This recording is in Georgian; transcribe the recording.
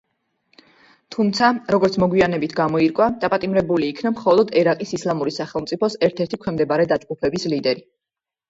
თუმცა, როგორც მოგვიანებით გამოირკვა, დაპატიმრებული იქნა მხოლოდ ერაყის ისლამური სახელმწიფოს ერთ–ერთი ქვემდებარე დაჯგუფების ლიდერი.